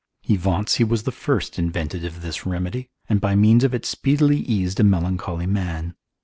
He vaunts he was the first invented this remedy, and by means of it speedily eased a melancholy man.